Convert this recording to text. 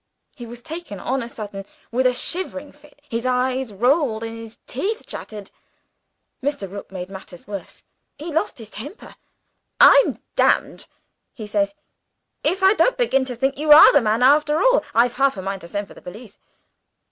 He was taken on a sudden with a shivering fit; his eyes rolled, and his teeth chattered. Mr. Rook made matters worse; he lost his temper. 'I'm damned,' he says, 'if I don't begin to think you are the man, after all; I've half a mind to send for the police.